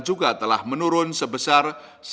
juga telah menurun sebesar